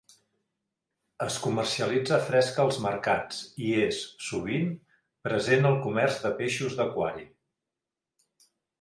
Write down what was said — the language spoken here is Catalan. Es comercialitza fresc als mercats i és, sovint, present al comerç de peixos d'aquari.